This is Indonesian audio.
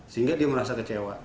sehingga dia merasa kecewa